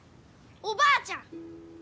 おばあちゃん！